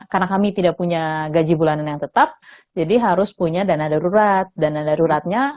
karena kami tidak punya gaji bulanan yang tetap jadi harus punya dana darurat dana daruratnya